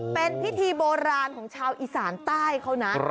เป็นพิธีโบราณของชาวอีสานใต้เขานะ